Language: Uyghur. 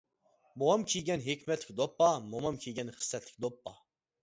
بوۋام كىيگەن ھېكمەتلىك دوپپا، مومام كىيگەن خىسلەتلىك دوپپا.